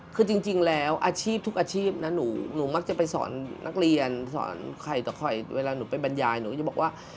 คือจริงแล้วอาชีพทุกอาชีพนะหนูมักจะไปสอนนักเรียนสอนไข่ต่อคอยเวลาหนูไปบรรยายหนูก็จะบอกว่า